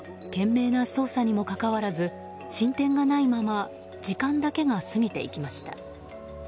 懸命な捜査にもかかわらず進展がないまま時間だけが過ぎていきました。